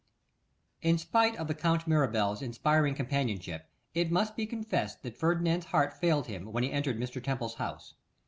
IN SPITE of the Count Mirabel's inspiring companionship, it must be confessed that Ferdinand's heart failed him when he entered Mr. Temple's house.